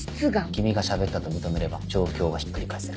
君が喋ったと認めれば状況はひっくり返せる。